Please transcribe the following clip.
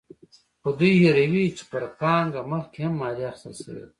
خو دوی هېروي چې پر پانګه مخکې هم مالیه اخیستل شوې ده.